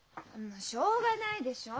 しょうがないでしょ。